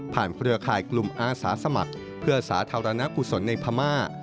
เครือข่ายกลุ่มอาสาสมัครเพื่อสาธารณกุศลในพม่า